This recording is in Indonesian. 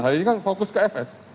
hari ini kan fokus ke fs